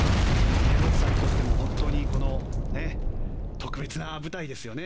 宮里さんにとっても本当に特別な舞台ですよね